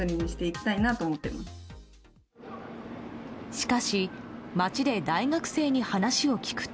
しかし、街で大学生に話を聞くと。